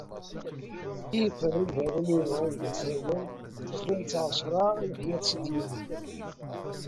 Iferr n yibawen yemɣin d asawen, xlum-tt a ɛecra yeḥya-tt-id yiwen